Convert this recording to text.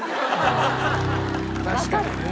確かにね。